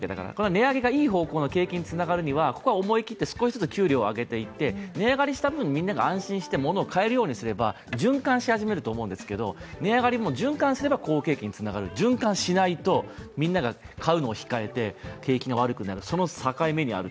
値上げがいい方向の景気につながるには、少しずつ給料が上がっていって値上がりした分、安心してみんなが買えるようになればいいんですけど値上がり、循環すれば好景気につながる循環しないと、みんなが買うのを控えて景気が悪くなる、その境目にある。